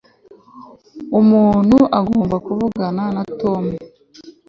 umuntu agomba kuvugana na tom